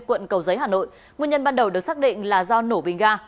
quận cầu giấy hà nội nguyên nhân ban đầu được xác định là do nổ bình ga